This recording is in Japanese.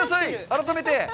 改めて。